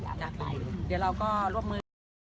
เดี๋ยวเราก็ร่วมมือกัน